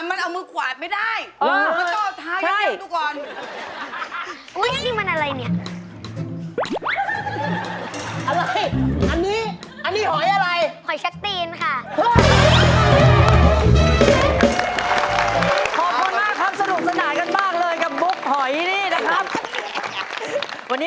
มันเอามือกวาดไม่ได้